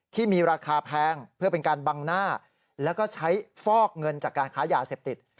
ที่มีราคาแพงเพื่อเป็นการบังหน้าแล้วก็ใช้ฟอกเงินจากการค้ายาเสพติด